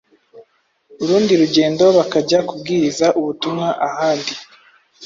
urundi rugendo bakajya kubwiriza ubutumwa ahandi.